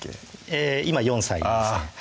えぇ今４歳ですね